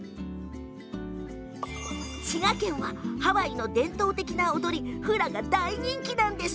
滋賀県は、ハワイの伝統的な踊りフラが大人気なんです。